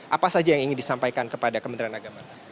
apa saja yang ingin disampaikan kepada kementerian agama